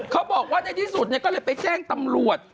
เขาบอกว่าในที่สุดก็เลยไปแจ้งตำรวจ